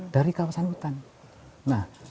dari kawasan hutan nah